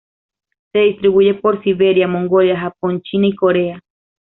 Se distribuye por Siberia, Mongolia, Japón, China y Corea.